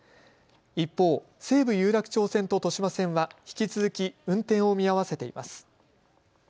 一方、西武有楽町線と豊島線は引き続き運転を見合わせています。